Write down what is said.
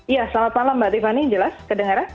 ya selamat malam mbak tiffany jelas terdengar